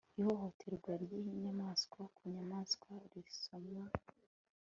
Ihohoterwa ryinyamaswa ku nyamaswa rirasomwa